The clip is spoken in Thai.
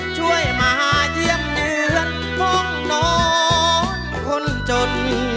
ช่วยมาเยี่ยมเยือนห้องนอนคนจน